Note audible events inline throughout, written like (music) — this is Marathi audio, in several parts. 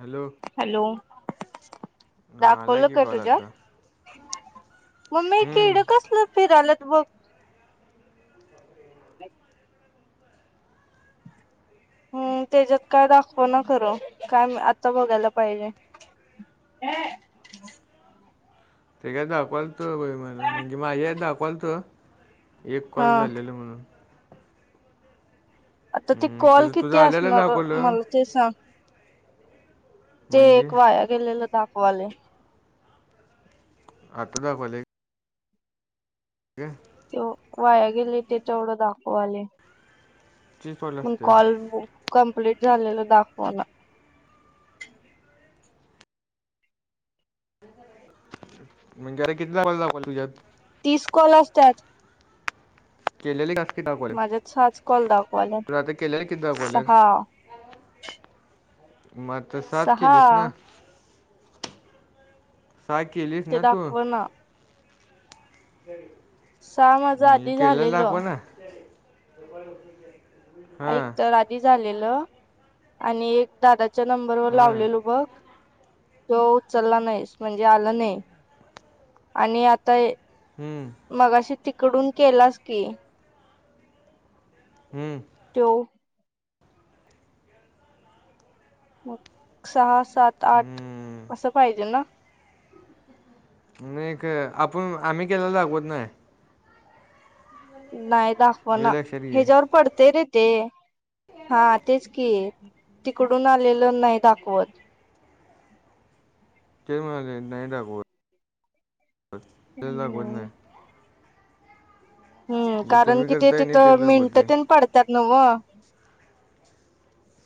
हॅलो हॅलो आला दाखवलं की का कॉल आता तुझ्यात मम्मी हम्म किड कसलं फिराल्यात बघ अ (unintelligible) हम् त्याच्यात काय दाखवं ना खरं काय आत्ता बघायला पाहिजे. ऐ ते का दाखवालतं बई मला म्हणजे माझ्या इथं दाखवालतं एक हा कॉल झालेला म्हणून. आता ते हम्म कॉल तुझं तुझं किती आल्यालं असणार दाखवलं मला ते सांग? ते म्हणजे ऐक वाया गेलेल दाखवालाय आता दाखवालाय ठीे (unintelligible) ते वाया गेलय ते तेवढं दाखवालय तीस कॉल म कॉल असत्यात कंपलेट झालेला दाखव ना म्हणजे अे किल्या वजाखल तुझत (inaudible) तीस कॉल असत्यात. केलेले काम किती माझ्यात सहाच कॉल दाखवल्यात दाखवाल्यात तुला आता केलेले किती दाखवल्यात.? सहा म आता सहाच सहा केलीस ना. सहा केलीस ते ना तू. दाखव ना सहा माझं म्हणजे आधी केल्याला झालेलं दाखवं ना. ऐक हां तर एक आधी झालेलं आणि एक दादा. च्या नंबर वर हां लावलेलो बघ तो उचलला नाही, म्हणजे आला नाही. आणि आता. हम मगाशी तिकडून केलास की. हम्म त्यो मग सहा सात आठ हम्म असं पाहिजे ना? मग एक आपण आम्ही केलाला दाखवत नाही. नाही दाखवं हे ना लक्षात घे ह्याच्यावर पडतेय रे ते. हा तेच की तिकडून आलेलं नाही दाखवतं. ते म्हणालोय नाही दाखवत, तेच दाखवत नाही. हम्म जे कारण तुम्ही कि ते करताय नाही तेच तिथं मिनटं दाखवते तेन पड. त्यात नव्हं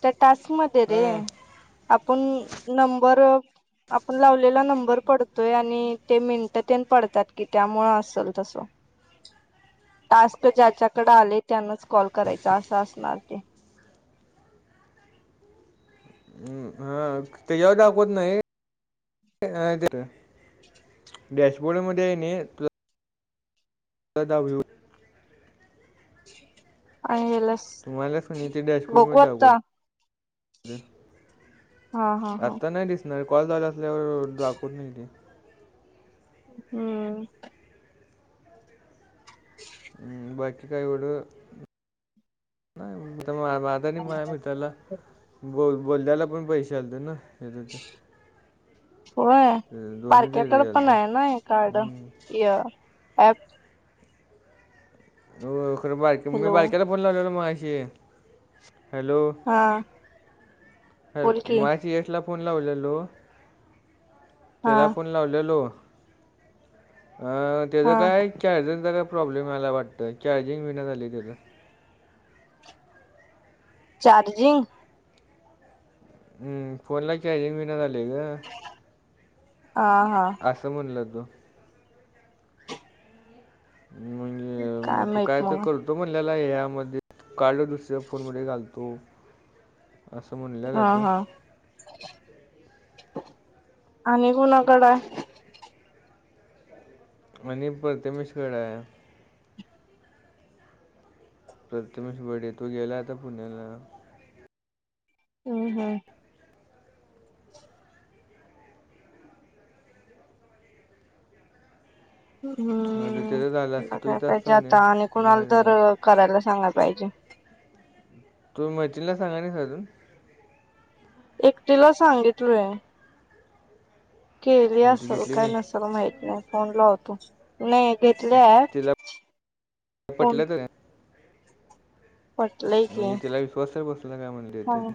त्या टास्क मध्ये रे. हा. आपुन नंबर. आपण लावलेला नंबर पडतोय आणि ते मिनटं तेन पडतात की त्यामुळं असल तसं. टास्क ज्याच्याकडे आलंय त्यानच कॉल करायचा असं असणार ते. ह ह त्याच्यावर दाखवत नाही ते. डॅशबोर्ड मध्ये हाय नाही. (unintelligible) आणि हेला. तू म्हणाल्यास ते डॅशबोर्ड मध्ये दाखवतयं. हा हा हा. नाही कॉल झालं असल्यावर दाखवत नाही ते. हुं. हम्म बाकी. आणि काय एवढं माझं आणि माझ्या मित्राला. बोल बोलल्याला पण पैसे आलतं ना. फ तर ते होय. दोनी हेज आलेल तर. या अँप. हो खरं बाक मी हॅलो बाळक्याला फोन लावललो मगाशी हॅलो. हा. बोल की मघाशी यश ला फोन लावलेलो हा त्याला फोन. लावलेलो अ त्याचं हा काय. चार्जिंगचा काय प्रॉब्लेम व्हायलाय वाटतं चार्जिंग होईना झालंय तेज चार्जिंग. हम् फोनला चार्जिंग बी नाही झालेय ग. हा हा असं म्हणलं तू. म्हणजे मग तू माहित काय तर मग करतो म्हणल्याला ह्यामध्ये कार्ड दुसऱ्या फोनमध्ये घालतो असं म्हणे. हा हा आणि कुणाकडं आहे? आणि प्रथमेशकडं आहे. प्रथमेश बडे तो गेला आता पुण्याला हँ हा. म्हणजे हम्म त्याचं झालं असतं तू बघाय इथं पाहिजे असतं आता आणि म्हणे कुणाला बाहेर तर झाला करायला सांगायला पाहिजे. तुम्ही मैतिणीला सांगानी सा अजून. एकटीला सांगितलु आहे. केली मग ती असल घेतली काय नाही नसेल माहित नाही फोन ला होतो नाही घेतलेण तिला पटलं तर पटलंय की म्हणजे त्याला विश्वासवर बसला काय म्हणले सांग तर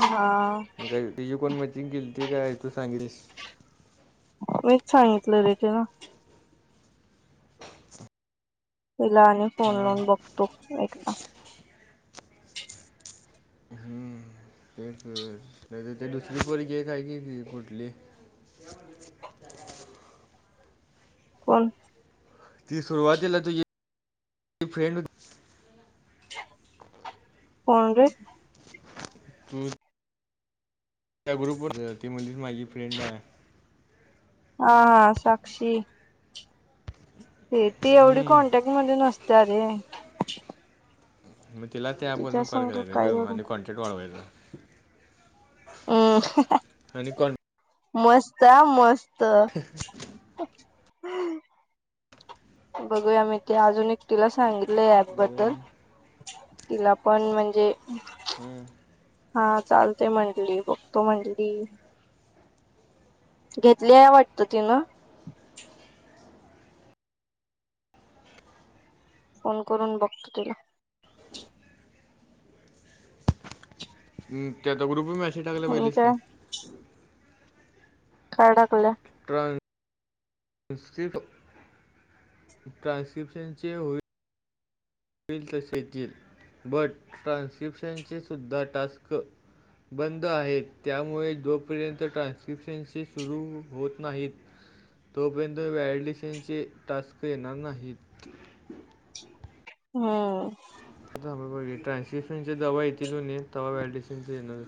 हा मग काही ते जी कोण मतींग गेलीती काय तू सांगेलीस मीच सांगितलं रेटे ना स तिला आणि फोन लाोून बघतो एकदा हम्म ते ते दुसरी पोरी काय की कुठली या कोण ती सुरुवातीला तुझ फ्रेंड कोण रे तु त्या ग्रुपवर त म्हणजे माझी फ्रेंड आहे हा हा साक्षी ते ती एवढी हम्म. कॉन्टॅक्ट मध्ये नसते अरे मग तिला तिच्या तेॅपवररून संग कडगला का काय आणि एवढं आणि कॉनेट वाढवयला हम् कॉन मस्त आ मस्त हम्म बघूया मी ते अजून एकटिला सांगितलं बरोबर ऍपबद्दल आहे. तिला पण म्हणजे हम्म. हा चालते म्हंटली बघतो म्हंटली घेतली आहे वाटत तिन फोन करून बघतो तुला म त्या आता ग्रुप मॅसे टाकलं पहिलीच काय काडाकला ट्रान्क्रिप्ट ट्रान्स्क्रिप्शनचे होई बिल तसेतील बट ट्रान्स्क्रिप्शनचे सुद्धा टास्क कर बंद आहेत त्यामुळे जोपर्यंत ट्रान्स्क्रिप्शनस सुरू होत नाहीत तोपर्यंत व्हडेशनचे टास्क येणार नाहीत हम ां बघ ट्रान्सशिपशनचे दवा येतील हो त मॅडिसिनणार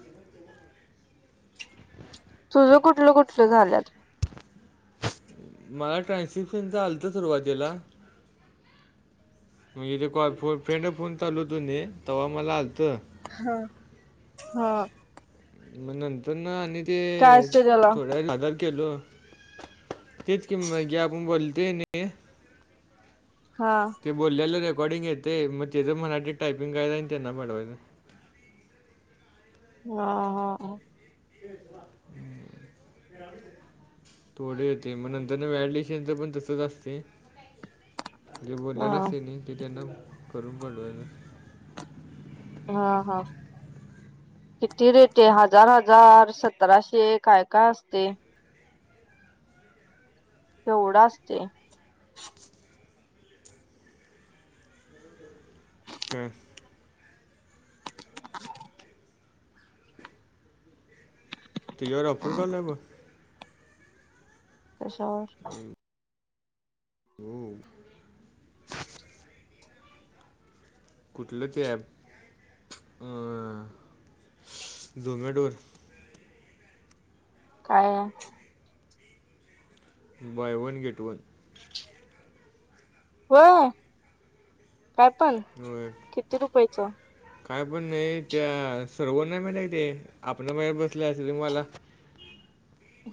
तुझं कुठलं कुठलं झाल्यात मला ट्रान्सशिप्शन आलत सुरवातीला मग इथे कॉ फ फ्रेंड फोन चाल हो तो तेव्हा मला आलतं हा हा मग नंतर ना आणि ते काय असते त्याला थोड्या आजार केलो तेच किंमत घ आपण बोलतय न हा ते बोललेलं रेकॉर्डिंग येते मग त्याचं मराठी टायपिंग कायदा आणि त्यांना मिळवायचं ह ह हम्म थोडे येत मग नंतर न व्याड शनंतर पण तसच असते जे बोललेला हा असे नाही की त्यांना करून पडवाय हा हा किती रेट आहे हजार हजार सतराशे काय काय असते तेवढं असते (unintelligible) हं (unintelligible) तेच्यावर ऑफर चालू हाय बग. कश्यावर? ओम कुठलं ते ॲप? अ अ झोमॅटो काय हाय? Buy one get one. होय काय पण? होय. किती रुपयाचं? काय पण नाही, त्या सर्वन माहित हाय ते आपना बझार बसला सलीन वाला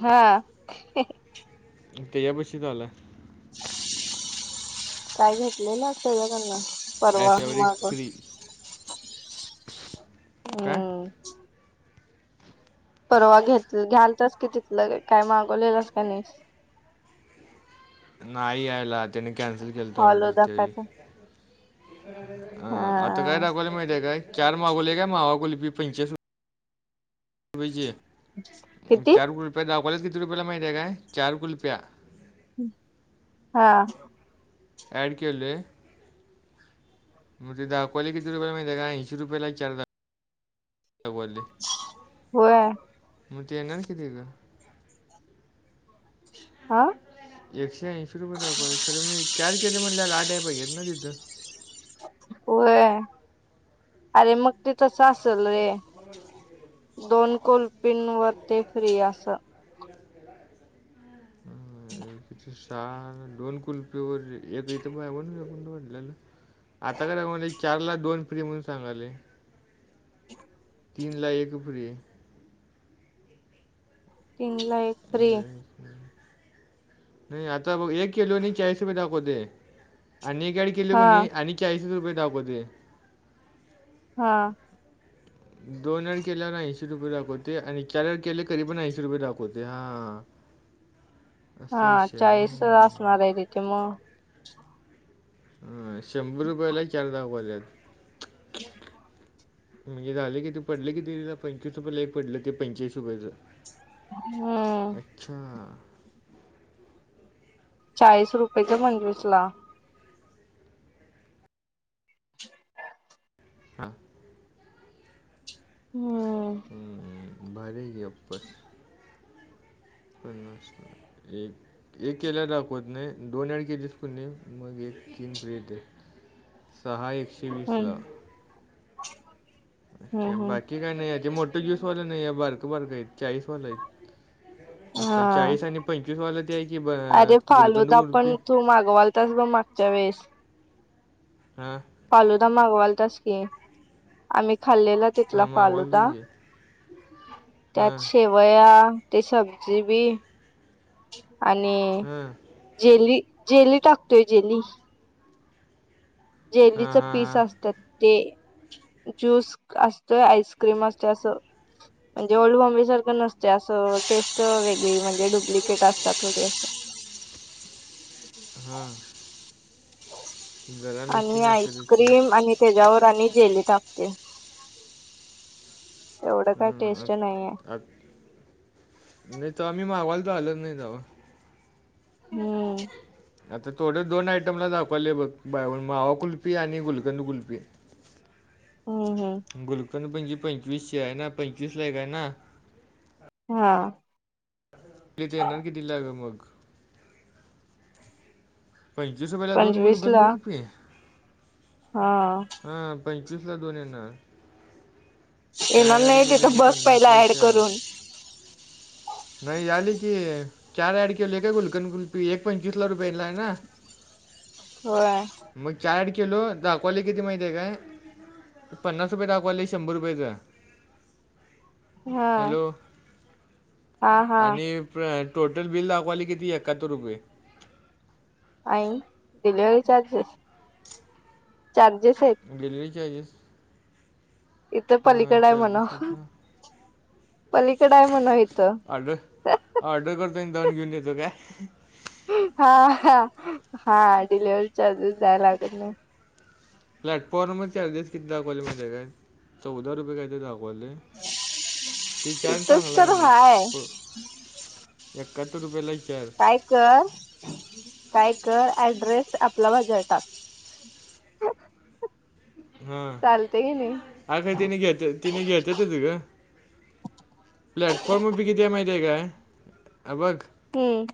हा. तेज्या बशी चालू हाय. काय घेतलेलं असतय काय? त्यांना आहे परवा ॲसेवर एक माग फ्री काय हम्म परवा घेतल घ्याल तास की तिथलं, काय मागवलेलंस का नाहीस? नाही यायला, त्याने कॅन्सल केलंत हॉल ऑर्डर त्यावेळी दाखवायचं हा आता काय दाखवायलय माहितीये काय? चार मागवले काय मावाकुल्फी पंचेचाळीस रू वीजे किती चार कुलफ्या दाखवालेत किती रुपयाला माहती हाय काय? चार कुल्फ्या हमं हा. ॲड केलोय. म्हणजे दाखवालय कीती रुपये माहित आहे का? ऐंशी रुपयाला चार दाख समजले. होय. मग तू येणारस काय तिक? आ. एकशे ऐंशी रुपये दाखंवालय, तरमी चार केलय, म्हणल्यावर आठ याय पाहिजेत ना तिथं. व्हय अरे मग ते तस आसल रे. दोन कुलपिनवर ते फ्री अस. व्हय किती छान? दोन कुल्पीवर ए एक इथं बाय वण गेट वन म्हणलेल, आता काय दाखवालय? चारला दोन फ्री म्हणून सांगालय. (inaudible) तीन ला एक फ्री हाय. तिनला एक एक फ्री व्हय. (inaudible) नाही आता बघ, एक किलो ची चाळीस रुपये दाखवतय आणि एक गा केलो हा कणी आणि चाळीसच रुपय दाखवतय. हा. दोन वर केल्यावर ऐंशी रुपये दाखवतय, आणि चार वर केले तरी पण ऐंशी रुपये दाखवतय, हा आ. हा चाळीसच व्हय. असणार हाय तिथ मग हां शंभर रुपयाला चार दाखवाल्यात. ह (unintelligible) म्हणजे झाल की ते पडले की ते, पंचवीस रुपयाला एक पडलं ते, पंचेचाळीस रुपयाचं हंम. अच्छा. चाळीस रुपयच पंचवीस ला. (unintelligible) हा. हूंम. हुं. भारीे हाय की ऑफर पन्नास ला एक. एक केल्याला दाखवत नाही, दोन ऍड केलीस कनी मग एक तीन प्लेट हाय. सहा हाईत. हम् अच्छ बाकी काय नाही या मोठे ज्युजयूसवालं नाही बारक बारक आहेत चाळीसवालंय हा चाळीस आणि पंचवीस वाला ते आहे की गुलकंद गुडपी तोमागवाल तस ग मागच्या वेळेस हा फालुदा मागवाल तस की आम्ही खाल्लेला हां तिथला मागवाल फालुदा तुझी हां त्यात शेवया ते सब्जी बी आणि हां जेली जेली टाकतोय जेली हां जेलीच पीस हां असतात ते ज्यूस असतोय आईस्क्रीम असते असं म्हणजे ओल्ड बॉम्बे सारखं नसते असं टेस्ट वेगळी म्हणजे डुप्लिकेट असतात अस हा आणि असेलच की आईस्क्रीम आणि त्याच्यावर आणि जेली टाकते एवढं काही हं, टेस्ट नाहीये आत- आत- नाही त आम्ही मागवायला तर आलत नाही जाव हम्म आता थोड्या दोन आयटमला दाखवले बघ बा मावा कुलपी आणि गुलकंदू कुलपी हो हो गुलुकन पणजी पंचवीस आहे ना पंचवीस लाय काय ना हा पिथी कीतीला ग मग पणच जसं पहिला दोन गोल पंचवीस गंंद ला गुोल पी आहे हा हा पंचवीस ला दोन येणार चार येणार ॲड नाही केले तिथं की बघ पहिला पन्नासला ऍड चार करून नाही आली की चार आड केले का कुलकन कुलपी एक पंचवीस ला रुपयेला आहे ना हो मग चारठ किलो दखोले किती माहिती आहे काय पन्नास रुपये दाखवायला शंभर रुपयाेचं हा हा हा आणि टोटल बिल दाखवाली किती एकाहत्तर रुपये आणि डिलिव्हरी चार्जेस चार्जेस आहेत डिलवरी चार्जेस इथ हां पलीकड आहे म्हणा चार्जेस आहेत ना पलीकड आहे म्हण हीतो ऑर्डर ऑर्डर करतो आणि जाऊन घेऊन येतो काय हा हा डिलव्हरी चार्जेस दय लागत नाही प्लॅटफॉर्म चार्जेस किती दाखवले माझे काय चौदा रुपये काय ते दाखवले तचार इथंच चांगला आहे तर हाय ब एकाहत्तर रुपयाला चार काय कर काय कर ऍड्रेस आपला वदळतात क हा आग तिने घेतल तिने घ्या तिने घ्यायचेत त ग प्लॅटफॉर्म बी कि्या माहिती आहे काय अ बघ क